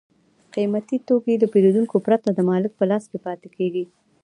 قیمتي توکي له پېرودونکو پرته د مالک په لاس کې پاتې کېږي